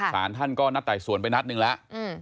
สารท่านก็นัดไต่สวนไปนัดหนึ่งแล้ว